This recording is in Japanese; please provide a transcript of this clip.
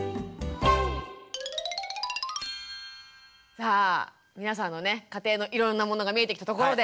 さあ皆さんのね家庭のいろんなものが見えてきたところで。